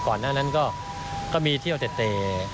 ก่อนหน้านั้นก็มีเที่ยวเต